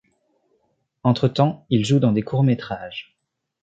Entre-temps, il joue dans des courts-métrages.